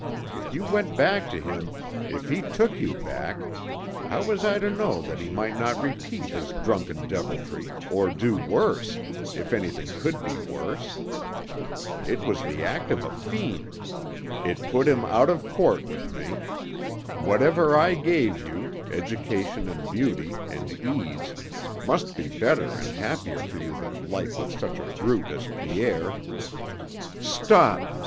If you went back to him, if he took you back, how was I to know that he might not repeat his drunken deviltry, or do worse, if anything could be worse! It was the act of a fiend. It put him out of court with me. Whatever I gave you, education and beauty, and ease, must be better and happier for you than life with such a brute as Pierre " "Stop!"